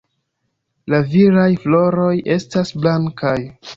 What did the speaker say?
La viraj floroj estas blankaj.